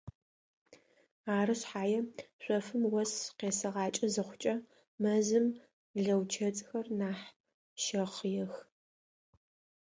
Ары шъхьае шъофым ос къесыгъакӏэ зыхъукӏэ мэзым лэучэцӏхэр нахь щэхъыех.